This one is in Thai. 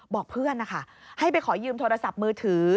บอกเพื่อนนะคะให้ไปขอยืมโทรศัพท์มือถือ